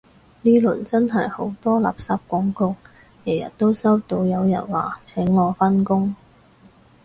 呢輪真係好多垃圾廣告，日日都收到有人話請我返工